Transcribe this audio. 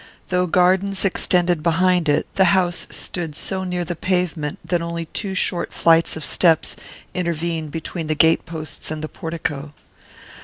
Though gardens extended behind it, the house stood so near the pavement that only two short flights of steps intervened between the gate posts and the portico.